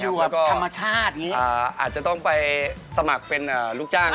อยู่กับธรรมชาติก็อาจจะต้องไปสมัครเป็นลูกจ้าง